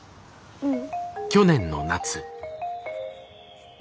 うん？